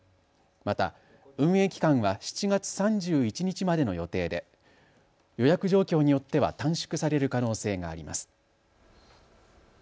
また運営期間は７月３１日までの予定で予約状況によっては短縮される可能性があります。